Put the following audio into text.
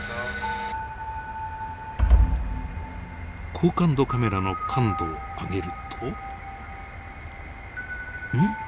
高感度カメラの感度を上げるとん？